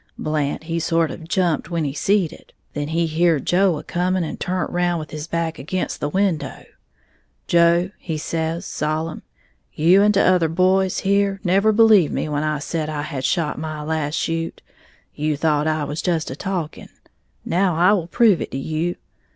Blant he sort of jumped when he seed it; then he heared Joe a coming, and turnt around with his back again' the window, 'Joe,' he says, solemn, 'you and t'other boys here never believed me when I said I had shot my last shoot, you thought I was just a talking. Now I will prove it to you.